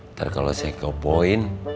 ntar kalau sekepoin